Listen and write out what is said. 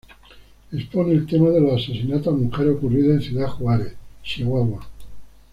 Expone el tema de los asesinatos a mujeres ocurridos en Ciudad Juárez, Chihuahua.